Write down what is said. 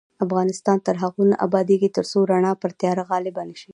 افغانستان تر هغو نه ابادیږي، ترڅو رڼا پر تیاره غالبه نشي.